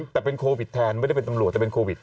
แต่เป็นโควิดแทนไม่ได้เป็นตำรวจแต่เป็นโควิด